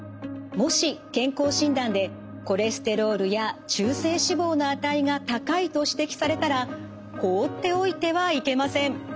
もし健康診断でコレステロールや中性脂肪の値が高いと指摘されたら放っておいてはいけません。